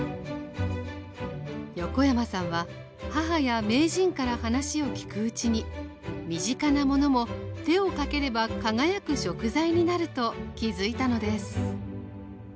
横山さんは母や名人から話を聞くうちに身近なものも手をかければ輝く食材になると気づいたのです